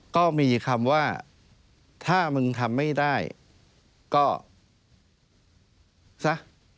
ก็มีคำว่าถ้ามึงทำไม่ได้ก็ซะ